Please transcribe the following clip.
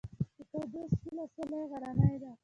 د قادس ولسوالۍ غرنۍ ده